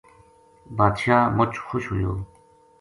بادشاہ مُچ خوش ہویو